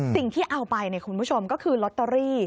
สิ่งที่เอาไปคุณผู้ชมก็คือลอตเตอรี่